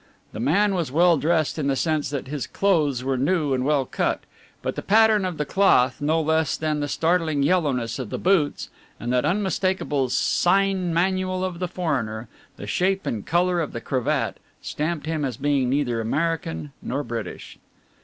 The man was well dressed in the sense that his clothes were new and well cut, but the pattern of the cloth, no less than the startling yellowness of the boots and that unmistakable sign manual of the foreigner, the shape and colour of the cravat, stamped him as being neither American nor British.